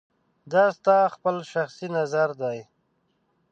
دا ستا خپل شخصي نظر دی